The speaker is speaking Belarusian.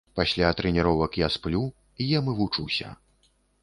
Пасля трэніровак я сплю, ем і вучуся.